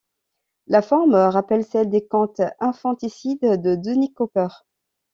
La forme rappelle celle des contes infanticides de Dennis Cooper.